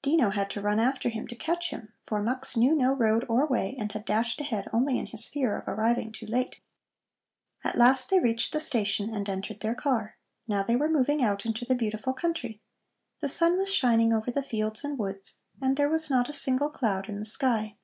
Dino had to run after him to catch him, for Mux knew no road or way and had dashed ahead only in his fear of arriving too late. At last they reached the station and entered their car. Now they were moving out into the beautiful country. The sun was shining over the fields and woods, and there was not a single cloud in the sky.